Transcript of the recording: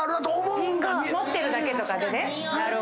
持ってるだけとかでね。